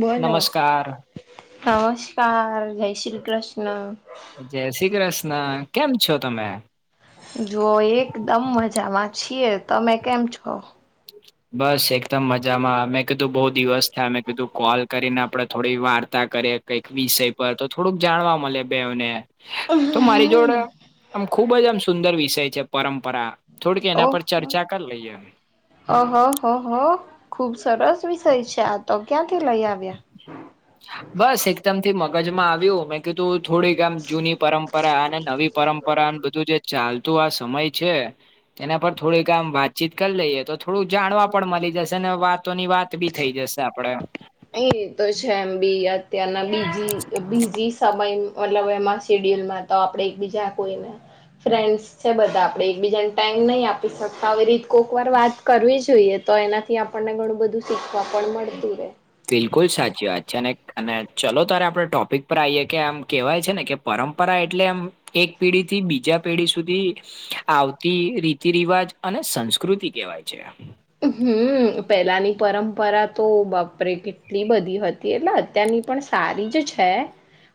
બોલો નમસ્કાર નમસ્કાર જય શ્રી કૃષ્ણ જય શ્રી કૃષ્ણ, કેમ છો તમે? જો એકદમ મજામાં છીએ, તમે કેમ છો? [inaudible] બસ એકદમ મજામાં મેં કીધું બહુ દિવસ થયા મેં કીધું કોલ કરીને આપડે થોડી વાર્તા કરીએ કઈક વિષય પર તો થોડુંક જાણવા મળે બેઓને તો મારી જોડે આમ ખુબ જ આમ સુંદર વિષય છે પરંપરા થોડીક એના પર ચર્ચા કર લઈએ અહ હ હ હો ખુબ સરસ વિષય છે આ તો ક્યાંથી લઈ આવ્યા? બસ એકદમ થી મગજમાં આવ્યું મે કીધું થોડીક આમ જૂની પરંપરા અને નવી પરંપરા અન બધું જે ચાલતું આ સમય છે એના પર થોડીક આમ વાતચીત કર લઈએ તો થોડુંક જાણવા પણ મળી જશે ને વાતોની વાત બી થઇ જશે આપડે એ તો છે એમ બી અત્યારના બીઝી બીજી સમય [unintelligible] મ શેડ્યુલમાં તો આપડે એક બીજા કોઈને ફ્રેન્ડસ છે બધા આપડે એકબીજાને ટાઈમ નહી આપી શકતા આવી રી કોકવાર વાત કરવી જોઈએ તો એનાથી આપણને ઘણું બધું શીખવા પણ મળતું રે બિલકુલ સાચી વાત છે અને અને ચલો તારે આપડ ટોપિક પર આઈએે કે આમ કેહેવાય છે ને કે પરંપરા એટલે એમ એક પેઢી થી બીજા પેઢી સુધી આવતી રીતિ રિવાજ અને સંસ્કૃતિ કહેવાય છે હમ્મ પેલાની પરંપરા તો બાપરે કેટલી બધી હત તી એટલે અત્યારની પણ સારી જ છે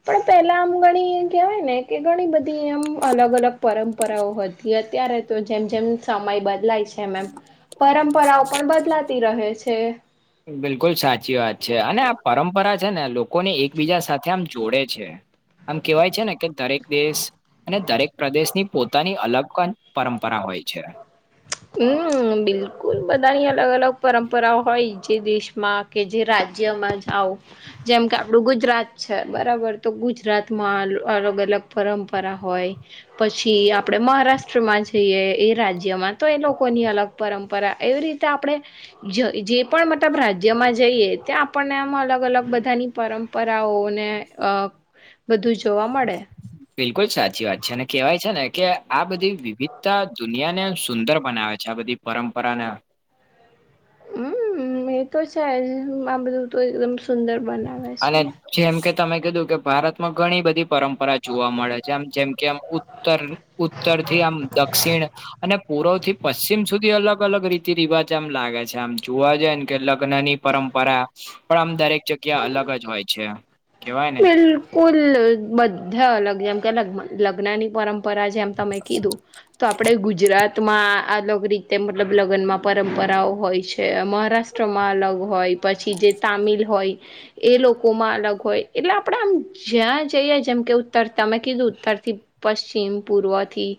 પણ પહેલા આમ ગણી કહેવાય ને કે ઘણી બધી એમ અલગ અલગ પરંપરાઓ હત થી અત્યારે તો જેમ જેમ સમય બદલાય છે એમ એમ પરંપરાઓ પણ બદલાતી રહે છે બિલકુલ સાચી વાત છે અને આ પરંપરા છે ને લોકોને એકબીજા સાથે આમ જોડે છે આમ કેવાય છે ને કે દરેક દેશ અને દરેક પ્રદેશની પોતાની અલગ પણ પરંપરા હોય છે અમ બિલકુલ બધાની અલગ અલગ પરંપરાઓ હોય જે દેશમાં કે જે રાજ્યમાં જાઓ જેમ કે આપડું ગુજરાત છે બરાબર તો ગુજરાતમાં અલગ અલગ પરંપરા હોય પછી આપડે મહારાષ્ટ્રમાં જઈએ એ રાજ્યમાં તો એ લોકોની અલગ પરંપરા એવી રીતે આપડે જ જે પણ મતલબ રાજ્યમાં જઈએ ત્યાં આપણને આમાં અલગ અલગ બધાની પરંપરાઓને અ બધું જોવા મડે બિલકુલ સાચી વાત છે અને કેવાય છે ને કે આ બધી વિવિધતા દુનિયાને સુંદર બનાવે છે આ બધી પરંપરાને અમ એ તો છે જ આ બધું તો એકદમ સુંદર બના અને જેમ કે તમે કીધું કે ભારતમાં ઘણી બધી પરંપરા જોવા મળે છે આમ જેમ કે આમ ઉત્તર ઉત્તરથી આમ દક્ષિણ અને પૂર્વથી પશ્ચિમ સુધી અલગ અલગ અલગ રીતિ રિવાજ આમ લાગે છે આમ જોવા જએન કે લગ્નની પરંપરા પણ આમ દરેક જગ્યા અલગ જ હોય છે. કેવાય ને બિલકુલ બધા અલગ જેમ કે લગ્મ લગ્નની પરં પરા જેમ તમે કીધું તો આપડે ગુજરા તમાં આલોગ રીતે મતલબ લગનમાં પરંપરાઓ હોય છે મહારાષ્ટ્રમાં અલગ હોય પછી જે તામિલ હોય એ લોકોમાં અલગ હોય એટલે આપડે આમ જ્યાં જઈએ જેમ કે ઉત્તર તમે કીધું ઉત્તરથી પશ્ચિમ પૂર્વથી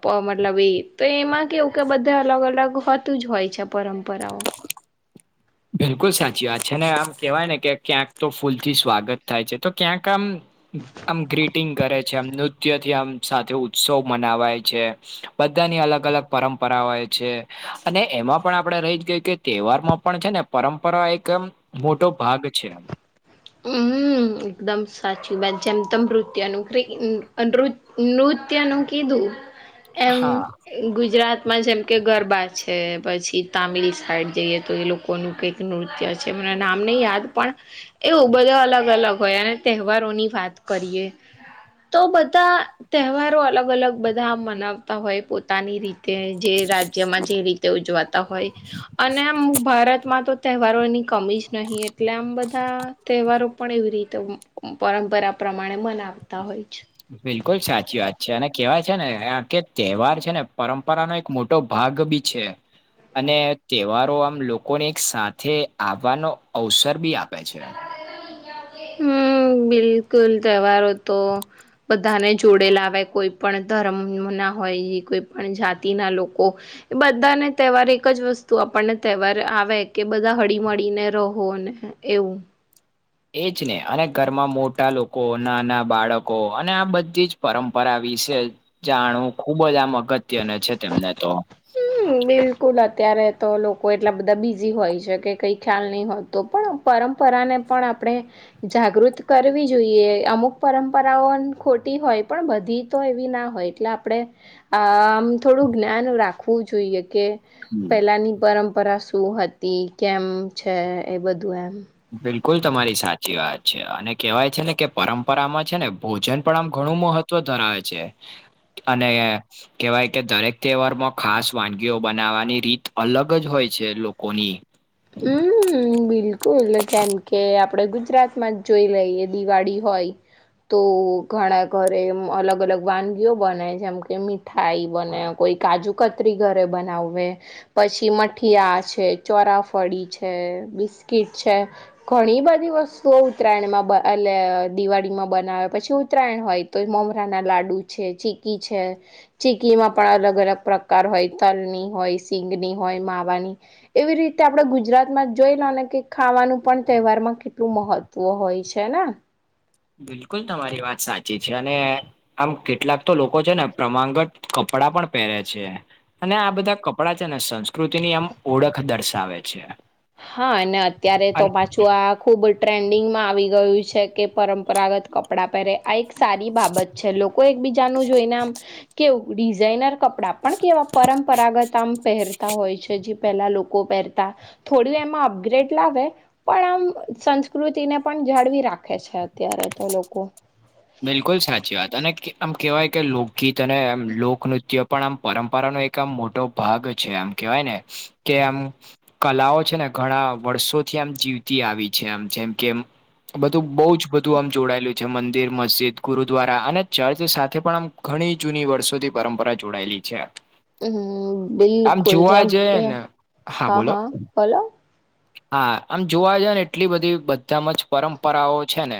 પો મતલબ એ તો એમાં કેવું કે બધા અલગ અલગ હોતુંજ હોય છે પરંપરાઓ. [inaudible] બિલકુલ સાચી વાત છે અને આમ કેવાય ને કે ક્યાંક તો ફૂલથી સ્વાગત થાય છે તો ક્યાંક આમ આમ ગ્રીટિંગ કરે છે આમ નૃત્યથી આમ સાથે ઉત્સવ મનાવાય છે. બધાની અલગ અલગ પરંપરા હોય છે અને એમાં પણ આપડે [unintelligible] કે તહેવાર માં પણ છે ને પરંપરા એક એમ મોટો ભાગ છે. [inaudible] હમ્મ હ એકદમ સાચી વાત છે જેમ તમ નૃત્યનુ [unintelligible] નૃત્ ત્ય કીધું એમ હા અ ગુજરાતમાં જેમ કે ગરબા છે પછી તામિલ સાઈડ જઈએ તો એ લોકોનું કઈક નૃત્ય છે એમના નામ નઈ યાદ પણ એવું બધા અલગ અલગ હોય અને તહેવારોની વાત કરીએ તો બધા તહેવારો અલગ અલગ બધા આમ મનાવતા હોય પોતાની રી તે જે રાજ્યમાં જે રીતે ઉજવાતા હોય અને આમ ભારતમાં તો તહેવારોની કમી જ નહીં એટલે આમ બધા તહેવારો પણ એવી રીતે પરંપરા પ્રમાણે મનાવતા હોય છે. બિલકુલ સાચી વાત છે અને કેવાય છે ને આકે તહેવાર છે ને પરંપરાનો એક મોટો ભાગ બી છે. અને તહેવારો આમ લોકોની એક સાથે આવાનો અવસર બી આપે છે. હમ્મ બિલકુલ તહેવારો તો બધાને જોડે લાવે કોઈ પણ ધર્મના હોય કોઈ પણ જાતિના લોકો એ બધાને તહેવાર એક જ વસ્તુ આપણને તહેવાર આવે કે બધા હડી મડીને રહો અને એઉ એજ ને અને ઘરમાં મોટા લોકો નાના બાળકો અને આ બધી જ પરંપરા વિશે જાણવું ખુબ જ આમ અગત્યનું છે તેમને તો હમ્મ બિલકુલ અત્યારે તો લોકો એટલા બધા બીઝી હોય છે કે કઈ ખ્યાલ નઈ હો તો પણ પરંપરાને પણ આપણે જાગૃત કરવી જોઈએ. અમુક પરંપરાઓ ખોટી હોય પણ બધી તો એવી ના હોય. એટલે આપણે આમ થોડુંક જ્ઞાન રાખવું જોઈએ કે હમ, પેલાની પરંપરા શું હતી કેમ છે એ બધું એમ. બિલકુલ તમારી સાચી વાત છે. અને કેવાય છે ને કે પરંપરામાં છે ને ભોજન પણ આમ ઘણું મહત્વ ધરાવે છે. અને કેવાય કે દરેક તહેવારમાં ખાસ વાનગીઓ બનાવાની રીત અલગ જ હોય છે લોકોની. [inaudible] હમ્મ બિલકુલ. જેમ કે આપડે ગુજરાતમાં જ જોઈ લઈએ દિવાળી હોય તો ઘણા ઘરે અલગ અલગ વાનગીઓ બનાય છે એમ કે મીઠ થાઈ બને કોઈ કાજુ કતરી ઘરે બનાવવે પછી મઠિયા છે ચોરાફળી છે બિસ્કીિટ છે. ઘણી બધી વસ્તુઓ ઉત્તરાયણમાં એટલે દિવાળીમાં બનાવે પછી ઉત્તરાયણ હોય તો મોમરા ના લાડુ છે ચીકી છે. ચીકીમાં પણ અલગ અલગ પ્રકાર હોય તલની હોય સીંગની હોય માવાની એવી રીત આપણેે ગુજરાતમાં જોઈ લો ને કે ખાવાનું પણ તહેવારમાં કેટલું મહત્વ હોય છે ને બિલકુલ તમારી વાત સાચી છે અને આમ કેટલાક તો લોકો છે ને પ્રમાંગત કપડાં પણ પહેરે છે. અને આ બધા કપડાં છે ને સંસ્કૃતિ ની એમ ઓળખ દર્શાવે છે. હા અને અત્યારે તો અને પાછું આ ખૂબ ટ્રેન્ડિંગમાં આવી ગયું છે કે પરંપરાગત કપડાં પહેરે આ એક સારી બાબત છે લોકો એક બીજાનું જોઈને આમ કેવુક ડિઝાઇનર કપડા પણ કેવા પરંપરાગત આમ પહેરતા હોય છે જે પહેલા લોકો પહેરતા થોડ એમાં અપગ્રેડ લાવે પણ આમ સંસ્કૃતિને પણ જાળવી રાખે છે અત્યારે તો લોકો બિલકુલ સાચી વાત અને આમ કહેવાય કે લોકગીત અનેમ લોકનૃત્ય પણ આમ પરંપરાનું એક એક આમ મોટો ભાગ છે આમ કેવાય ને કે આમ કલાઓ છે ને ઘણા વર્ષોથી આમ જીવતી આવી છે આમ જેમ કેમ બધું બઉ જ બધું આમ જોડાયેલું છે મન મંદિર મસ્જિદ ગુરુદ્વારા અને ચર્ચ સાથે પણ આમ ઘણી જૂની વર્ષોથી પરંપરા જોડાયેલી છે. હમ્મ આમ બિલકુલ જોવા જેમ જઈએ કે ને હ હા હ બોલો બોલો હા આમ જોવા જ ને એટલી બધી બધામાં જ પરંપરાઓ છે ને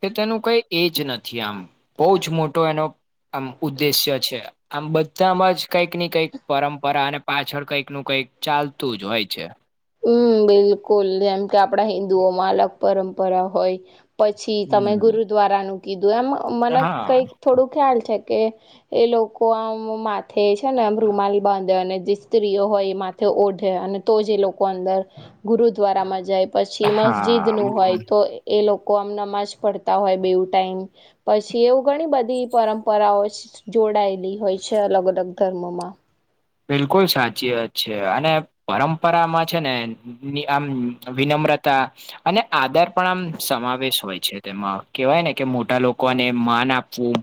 કે તેનું કઈ એજ નથી આમ બહ જ મોટો એનો આમ ઉદ્દેશ્ય છે. આમ બધામાં જ કંઈક ની કઈક પરંપરા અને પાછળ કંઈક નું કઈક ચાલતું જ હોય છે. હમ્મ બિલકુલ જેમ કે આપણા હિંદુઓમાં અલગ પરંપરા હોય પછી તમે હમ. ગુરુદ્વારા નું કીધું એમ મને હા કઈક થોડું ખ્યાલ છે કે એ લોકો આમ માથે છે ને રૂમાલી બાંધે અને જે સ્ત્રીઓ હોય એમા તે ઓઢે અને તો જે લોકો અંદર ગુરુદ્વારામાં જાય પછી મસ્જિદ હા નું હોય હમ, તો એ લોકો આમ નમાજ પડતા હોય બેવું ટાઈમ પછી એવું ઘણી બધી પરંપરાઓ જોડાયેલી હોય છે અલગ અલગ ધર્મોમાં બિલકુલ સાચી વાત છે અને પરંપરામાં છે ને આમ વિનમ્રતા અને આધાર પણ આમ સમાવેશ હોય છે તેમાં કેવાય ને કે મોટા લોકોને માન આપવું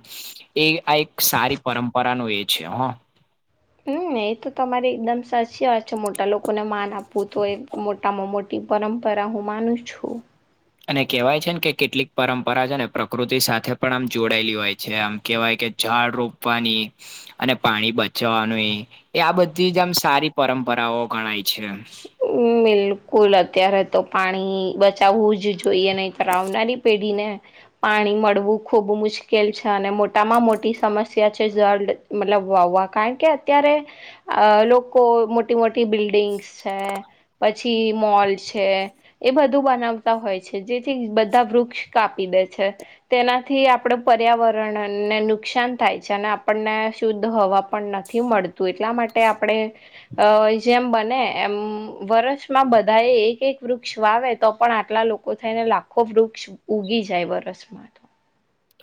એ આ એક સારી પરંપરા નો એ છે હા હમ્મ એ તો તમારી એકદમ સાચી વાત છે મોટા લોકોને માન આપવું તો એ મોટામાં મોટ પરંપરા હું માનું છું. અને કેહેવાય છે ને કે કેટલીક પરંપરા અને પ્રકૃતિ સાથે પણ આમ જોડાયેલી હોય છે આમ કેવાય કે ઝાડ રોપવાની અને પાણી બચવાનું એ આ બધી જ આમ સારી પરંપરાઓ ગણાય છે. બિલકુલ અત્યારે તો પાણી બચાવવું જ જોઈએ નહી કર આવનારી પેઢીને પાણી મળવું ખૂબ મુશ્કેલ છે અને મોટામાં મોટી સમસ્યા છે જળડ મતલબ વાવવા કારણ કે અત્યારે અ લોકો મોટી મોટી બિલ્ડિંગસ છે પછી મોલ છે. એ બધું બનાવતા હોય છે જેથી બધા વૃક્ષ કાપી દે છે. તેનાથી આપડે પર્યાવરણને નુકસાન થાય છે અને આપણને શુદ્ધ હવા પણ નથી મળતું એટલા માટે આપણે અ જેમ બને એમ વર્ષમાં બધા એ એક એક વૃક્ષ વાવે તો પણ આટલા લોકો થઈને લાખો વૃક્ષ ઉગી જાય વરસમાં તો.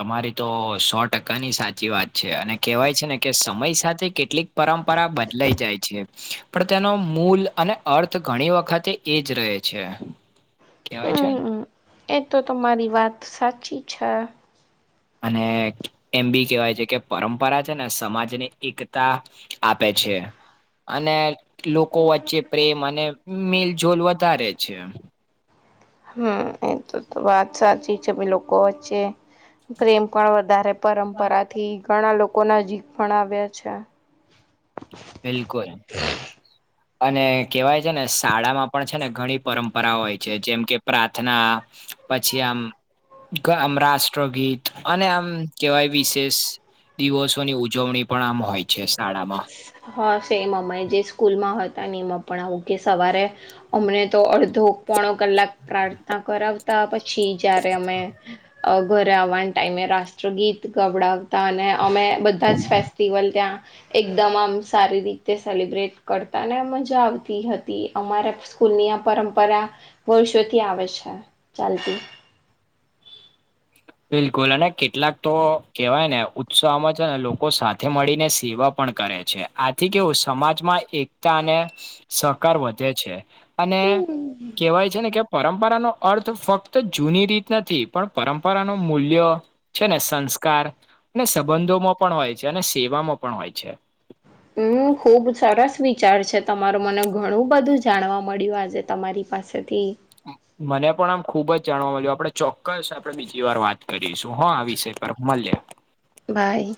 તમારી તો સો ટકાની સાચી વાત છે અને કેવાય છે ને કે સબ સમય સાથે કેટલીક પરંપરા બદલાઈ જાય છે. પણ તેનો મૂલ અને અર્થ ઘણી વખતે એજ રહે છે. ક્યાવાય છે ને. હમ્મ એ તો તમારી વાત સાચી છે. અને એમ બી કેવાય છે કે પરંપરા છે ને સમાજની એકતા. આપે છે. અને લોકો વચ્ચે પ્રેમ અને મિલ જોલ વધારે છે હમ્મ એ તો વાત સાચી છે ભી લોકો વચ્ચે પ્રેમ પણ વધારે. પરંપરા થી ઘણા લોકો ના જીક ભાવ્યા છે. બિલકુલ અને કેહેવાય છે ને શાળામાં પણ છે ને ઘણી. પરંપરા હોય છે જેમ કે પ્રાર્થના પછી આમ આમ રાષ્ટ્રગીત અને આમ કહેવાય વિશેષ દિવસોની ઉજવણી પણ આમ હોય છે શાળામાં હા સેમ અમા જે સ્કૂલમાં હતા ને એમપણા આવું કે સવારે અમને તો અડધો પોણો કલાક પ્રાર્થના કરાવતા પછી જયારે અમે ઘરે આવાન ટાઈઇમે રાષ્ટ્રગીત ગાબડાવ હતા અને અમે બધા જ ફેસ્ટિવલ ત્યાં એકદમ આમ સારી રીતે સેલિબ્રેટ કરતા ને મજા આવતી હતી અમારે સ્કૂલ ની આ પરંપરા વર્ષોથી આવે છે ચાલતી બિલકુલ અને કેટલાક તો કેહેવાય ને ઉત્સાહમાં છે ને લોકો સાથે મળીને સેવા પણ કરે છે આથી કેવું સમાજમાં એકતા અને સહકાર વધે છે. અને હમ કેહેવાય છે ને કે પરંપરા નો અર્થ ફક્ત જૂની રીત નથી પણ પરંમ રા ન મૂલ્ય છે ને સંસ્કાર ને સંબંધોમાં પણ હોય છે અને સેમાં પણ હોય છે. હમ્મ ખુબ સરસ વિચાર છે તમારું મને ઘણું બધું જાણવા મળ્યું આજે તમારી પાસેથી. મને પણ આમ ખુબ જ જાણવા મળજ્યું આપણે ચોક્કસ આપણે બીજી વાર વાત કરીશું હા આ વિશે હ. બ્રમલ્યા. બાય.